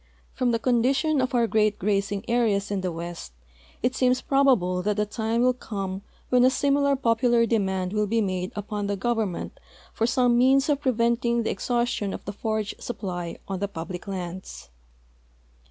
From the condition of our great grazing areas in the west it seems ])robable that the time will come wben a similar poimlar demand will be made uijon the government for some means of preventing the ex haustion of the forage supply on the ])ublic lands.